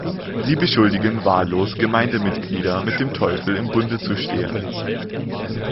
Sie beschuldigen wahllos Gemeindemitglieder, mit dem Teufel im Bunde zu stehen.